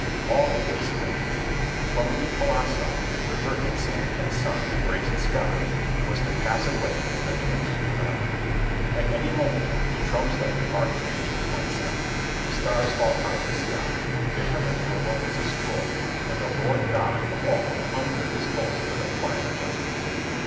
All this I knew—crumbling colossi and river and sand and sun and brazen sky—was to pass away in the twinkling of an eye. At any moment the trumps of the archangels might sound, the stars fall out of the sky, the heavens roll up as a scroll, and the Lord God of all come with his hosts for the final judgment.